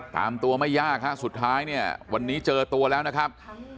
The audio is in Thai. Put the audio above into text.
ตามตัวไม่ยากฮะสุดท้ายเนี่ยวันนี้เจอตัวแล้วนะครับ